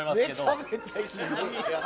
めちゃめちゃ低いやん。